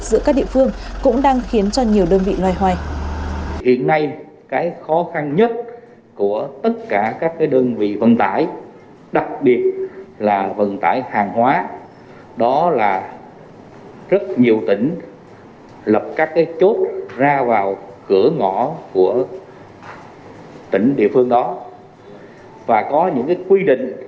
giữa các địa phương cũng đang khiến cho nhiều đơn vị loay hoay